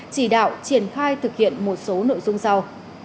chỉ đạo triển khai thực hiện một số nội dung sau